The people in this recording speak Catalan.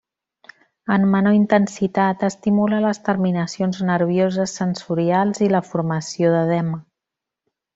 En menor intensitat estimula les terminacions nervioses sensorials i la formació d'edema.